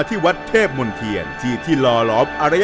ขอบคุณครับ